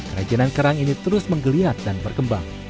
kerajinan kerang ini terus menggeliat dan berkembang